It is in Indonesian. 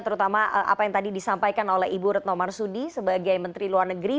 terutama apa yang tadi disampaikan oleh ibu retno marsudi sebagai menteri luar negeri